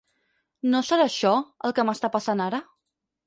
¿No serà això, el que m'està passant ara?